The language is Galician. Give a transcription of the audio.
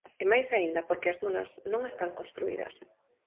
E máis aínda porque as dunas non están construídas.